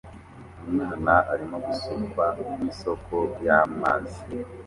Umwana arimo gusukwa nisoko y'amazi